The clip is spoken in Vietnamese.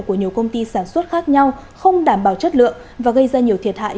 của nhiều công ty sản xuất khác nhau không đảm bảo chất lượng và gây ra nhiều thiệt hại